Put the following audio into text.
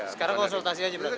sekarang konsultasi aja berarti